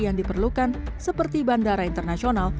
yang diperlukan seperti bandara internasional